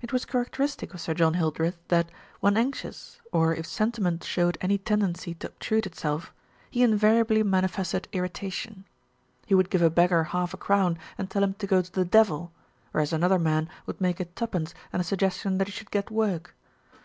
It was characteristic of Sir John Hildreth that, when anxious, or if sentiment showed any tendency to obtrude itself, he invariably manifested irritation. He would 318 THE RETURN OF ALFRED give a beggar half a crown and tell him to go to the devil, whereas another man would make it twopence and a suggestion that he should get work.